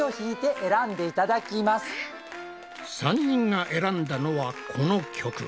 ３人が選んだのはこの曲。